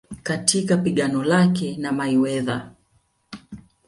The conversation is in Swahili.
katika pigano lake na Mayweather